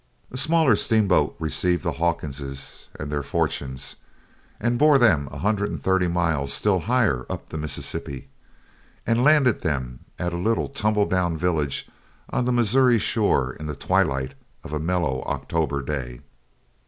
A smaller steamboat received the Hawkinses and their fortunes, and bore them a hundred and thirty miles still higher up the Mississippi, and landed them at a little tumble down village on the Missouri shore in the twilight of a mellow October day.